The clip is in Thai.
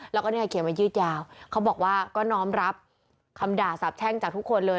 แล้วก็เนี่ยเขียนมายืดยาวเขาบอกว่าก็น้อมรับคำด่าสาบแช่งจากทุกคนเลย